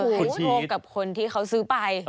คือชีสโทกกับคนที่เขาซื้อไป